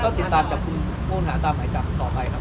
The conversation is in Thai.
ก็ติดตามจับกลุ่มผู้ต้องหาตามหมายจับต่อไปครับ